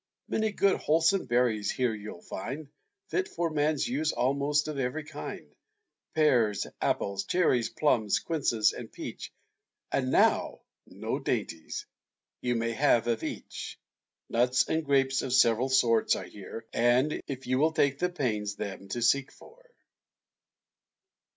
Many good wholesome berries here you'll find, Fit for man's use, almost of every kind, Pears, apples, cherries, plumbs, quinces, and peach, Are now no dainties; you may have of each. Nuts and grapes of several sorts are here, If you will take the pains them to seek for.